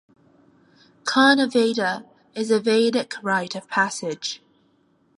Karnavedha is a Vedic rite of passage.